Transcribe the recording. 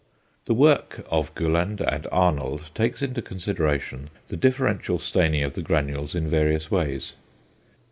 The work of Gulland and Arnold takes into consideration the differential staining of the granules in various ways.